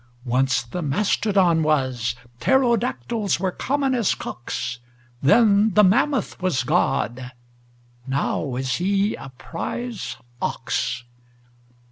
Once the mastodon was: pterodactyls were common as cocks: Then the mammoth was God: now is He a prize ox.